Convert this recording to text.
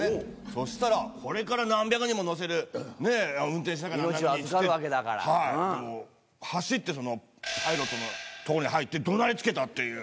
そしたら、それから何百人も乗せる、運転しなきゃいけないのに、もう、走ってその、パイロットの所に入って、どなりつけたっていう。